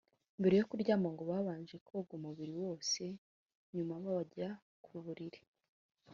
Mbere yo kuryama ngo babanje koga umubiri wose nyuma bajya ku buriri